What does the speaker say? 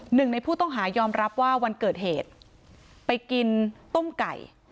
หนึ่งในผู้ต้องหายอมรับว่าวันเกิดเหตุไปกินต้มไก่